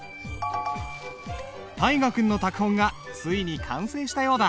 大河君の拓本がついに完成したようだ。